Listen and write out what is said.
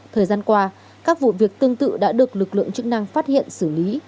thời gian qua các vụ việc tương tự đã được lực lượng chức năng phát hiện xử lý